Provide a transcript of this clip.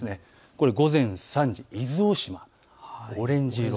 これは午前３時、伊豆大島、オレンジ色。